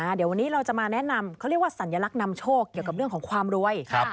เดี๋ยววันนี้เราจะมาแนะนำเขาเรียกว่าสัญลักษณ์นำโชคเกี่ยวกับเรื่องของความรวย